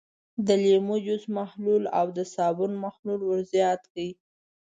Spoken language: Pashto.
د لیمو جوس محلول او د صابون محلول ور زیات کړئ.